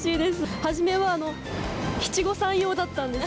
はじめは七五三用だったんです。